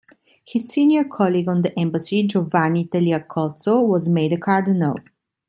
His senior colleague on the embassy, Giovanni Tagliacozzo, was made a cardinal.